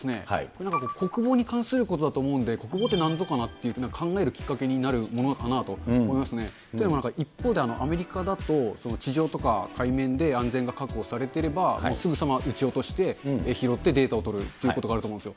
なんか国防に関することだと思うんで、国防ってなんぞかなって考えるきっかけになるものかなと思いますね。というか、一方でアメリカだと地上とか海面で安全が確保されてれば、もうすぐさま撃ち落として拾ってデータを取るということがあると思うんですよ。